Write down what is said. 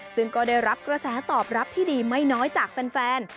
ซึ่งก็ได้รับกระแสตอบรับที่ดีไม่น้อยจากแฟน